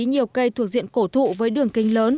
nhiều cây thuộc diện cổ thụ với đường kinh lớn